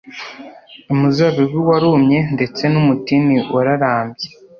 umuzabibu warumye ndetse n umutini wararabye